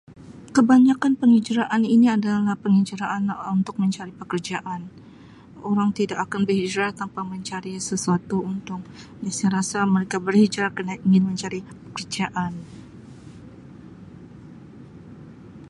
Kebanyakan penghijrahan ini adalah penghijrahan Um untuk mencari pekerjaan orang tidak akan berhijrah tanpa mencari sesuatu untuk saya rasa mereka berhijrah kerana ingin mencari pekerjaan.